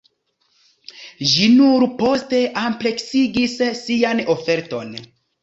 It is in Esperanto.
Ĝi nur poste ampleksigis sian oferton.